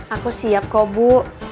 aku siap kok bu